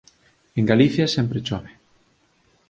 En Galicia sempre chove